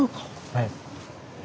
はい。